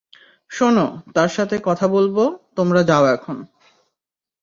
শোন, তার সাথে কথা বলব, তোমরা যাও এখন।